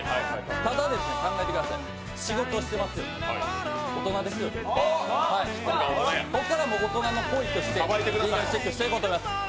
ただ、考えてください仕事をしてますよ、大人ですよね、ここからは大人の行為としてリーガルチェックしていこうと思います。